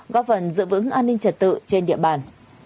góp phần giữ vững an ninh trật tự trên địa bàn